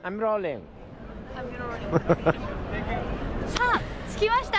さあ着きました。